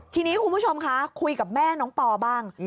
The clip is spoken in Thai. ทีนี้คุณผู้ชมคะคุยกับแม่น้องปอบ้าง